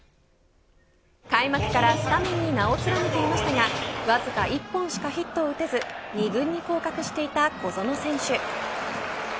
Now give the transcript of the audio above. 開幕からスタメンに名を連ねていましたがわずか１本しかヒットを打てず２軍に降格していた小園選手。